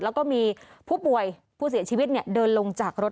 แล้วก็มีผู้ป่วยผู้เสียชีวิตเดินลงจากรถ